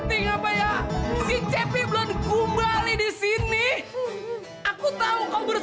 kagak baik ngebangkang sama orang tua